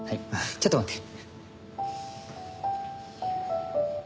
ちょっと待って。